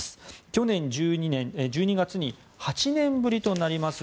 去年１２月に８年ぶりとなります